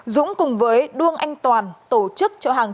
dũng cùng với đuông anh toàn tổ chức chợ hàng